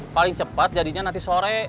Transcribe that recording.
paling cepat jadinya nanti sore